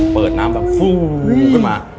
เปิดน้ำแบบฟูมขึ้นมา